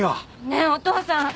ねえお父さん。